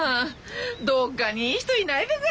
どっかにいい人いないべか？